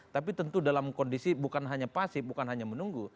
tapi tentu dalam kondisi bukan hanya pasif bukan hanya menunggu